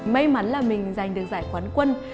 may mắn là mình giành được giải quán quân